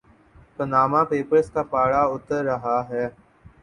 Panama papers کا پارہ اتر رہا ہے۔